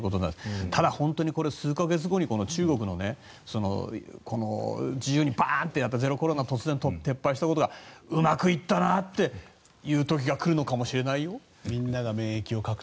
ただ、本当に数か月後に中国が自由にバーン！ってゼロコロナを突然撤廃したのがうまくいったなっていう時が来るのかもしれないよ。